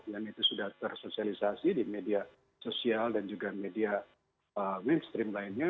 dan itu sudah tersosialisasi di media sosial dan juga media mainstream lainnya